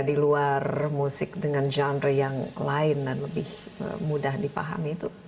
di luar musik dengan genre yang lain dan lebih mudah dipahami itu